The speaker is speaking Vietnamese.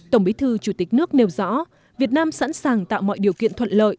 tổng bí thư chủ tịch nước nêu rõ việt nam sẵn sàng tạo mọi điều kiện thuận lợi